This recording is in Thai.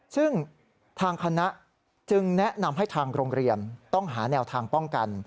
ซึ่งทางคณะจึงแนะนำให้ทางโรงเรียนต้องหาแนวทางป้องกัน